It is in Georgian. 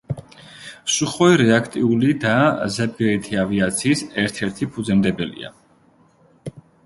სუხოი რეაქტიული და ზებგერითი ავიაციის ერთ-ერთი ფუძემდებელია.